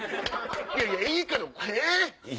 いやいやいいけどえっ！